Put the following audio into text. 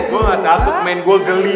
gua ga takut main gua geli